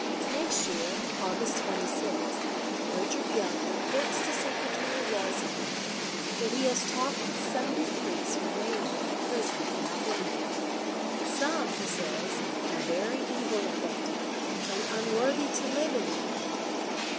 Next year, August 26th, Richard Young reports to Secretary Walsyngham that he has talked with sundry priests remaining in the prisons about London. "Some," he says, "are very evil affected, and unworthy to live in England.